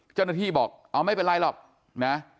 เจ้าหน้าที่บอกเอาไม่เป็นไรหรอกนะ